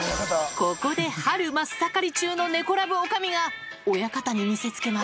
ここで春真っ盛り中の猫ラブおかみが、親方に見せつけます。